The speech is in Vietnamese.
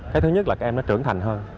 cái thứ nhất là các em nó trưởng thành hơn